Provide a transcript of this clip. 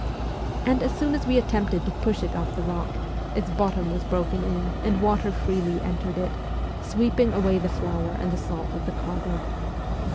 And, as soon as we attempted to push it off the rock, its bottom was broken in and water freely entered it, sweeping away the flour and the salt of the cargo.